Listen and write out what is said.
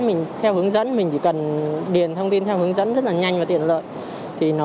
mình theo hướng dẫn mình chỉ cần điền thông tin theo hướng dẫn rất là nhanh và tiện lợi thì nó